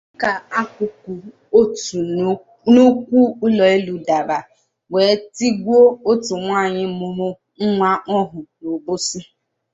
dịka akụkụ otu nnukwu ụlọelu dàrà wee tigbuo otu nwaanyị mụrụ nwa ọhụụ n'Obosi